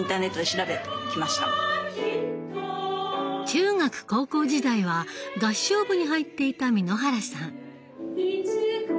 中学高校時代は合唱部に入っていた簑原さん。